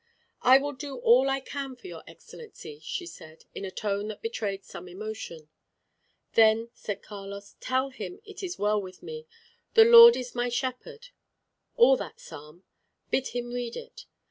"I will do all I can for your Excellency," she said, in a tone that betrayed some emotion. "Then," said Carlos, "tell him it is well with me. 'The Lord is my shepherd' all that psalm, bid him read it.